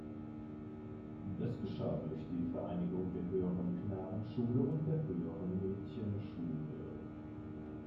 Das geschah durch die Vereinigung der höheren Knabenschule und der höheren Mädchenschule.